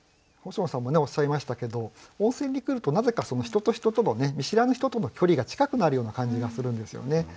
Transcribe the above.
星野さんもおっしゃいましたけど温泉に来るとなぜか人と人とのね見知らぬ人との距離が近くなるような感じがするんですよね。